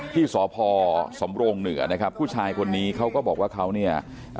ที่สพสำโรงเหนือนะครับผู้ชายคนนี้เขาก็บอกว่าเขาเนี่ย